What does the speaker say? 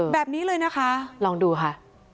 แบบนี้เลยนะคะลองดูค่ะ